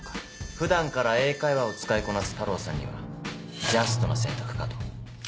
普段から英会話を使いこなす太郎さんにはジャストな選択かと。